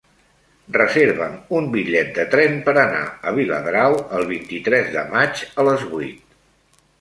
Reserva'm un bitllet de tren per anar a Viladrau el vint-i-tres de maig a les vuit.